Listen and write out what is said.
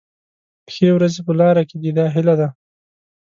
ښې ورځې په لاره کې دي دا هیله ده.